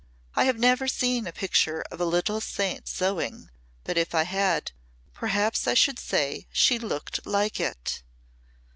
I have never seen a picture of a little saint sewing. If I had, perhaps I should say she looked like it."